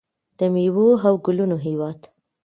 د میوو او ګلونو هیواد.